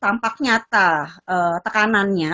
tampak nyata tekanannya